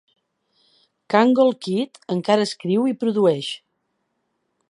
Kangol Kid encara escriu i produeix.